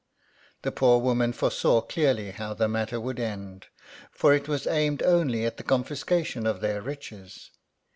The poor woman foresaw clearly how the matter would end ; for it was aimed only at the confiscation of their riches.